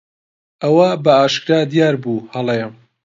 ئەوە بەئاشکرا دیار بوو هەڵەیە.